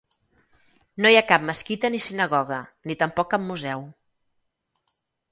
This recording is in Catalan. No hi ha cap mesquita ni sinagoga, ni tampoc cap museu.